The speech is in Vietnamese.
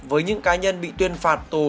với những cá nhân bị tuyên phạt tù